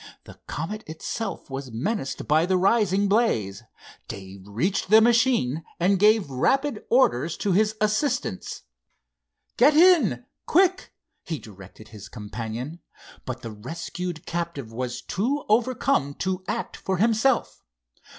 The Comet itself was menaced by the rising blaze. Dave reached the machine and gave rapid orders to his assistants. "Get in, quick!" he directed his companion, but the rescued captive was too overcome to act for himself.